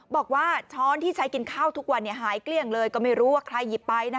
บอกว่าช้อนที่ใช้กินข้าวทุกวันหายเกลี้ยงเลยก็ไม่รู้ว่าใครหยิบไป